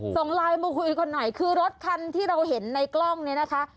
ส่งไลน์มาคุยกันหน่อยคือรถคันที่เราเห็นในกล้องเนี่ยนะคะ